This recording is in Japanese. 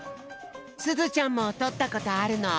すずちゃんもとったことあるの？